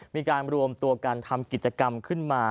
มีการรวมตัวกันทำกิจกรรมขึ้นมา